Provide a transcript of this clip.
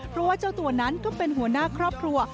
เพราะว่าเจ้าตัวนั้นก็เป็นหัวหน้าครอบครัว